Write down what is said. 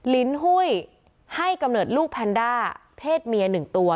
ลิ้นหุ้ยให้กำเนิดลูกแพนด้าเพศเมีย๑ตัว